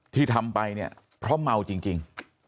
ที่ทำไปเนี่ยเพราะเมาจริง